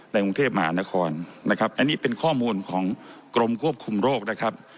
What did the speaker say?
กรุงเทพมหานครนะครับอันนี้เป็นข้อมูลของกรมควบคุมโรคนะครับ